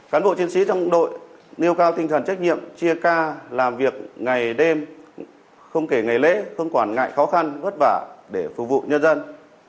cán bộ chiến sĩ trong đội nêu cao tinh thần trách nhiệm chia ca làm việc ngày đêm không kể ngày lễ không quản ngại khó khăn vất vả để phục vụ nhân dân